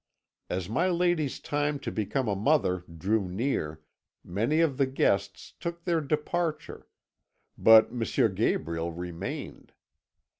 "As my lady's time to become a mother drew near, many of the guests took their departure; but M. Gabriel remained.